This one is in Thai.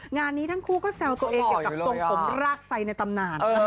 งานนี้ทั้งคู่ก็แซวตัวเองเกี่ยวกับทรงผมรากไซในตำนาน